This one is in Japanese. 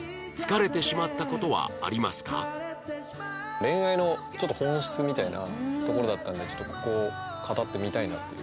恋愛のちょっと本質みたいなところだったんでここを語ってみたいなという。